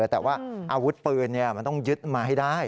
แต่ว่าอาวุธปืนมันต้องยึดมาให้ได้